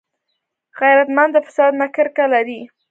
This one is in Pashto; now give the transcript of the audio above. غیرتمند د فساد نه کرکه لري